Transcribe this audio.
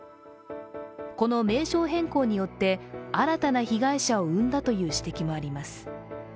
この名称変更によって、新たな被害者を生んだという指摘もあります。